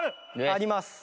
あります。